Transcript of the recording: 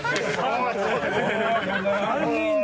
３人で。